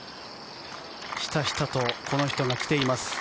ひたひたとこの人も来ています。